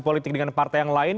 politik dengan partai yang lain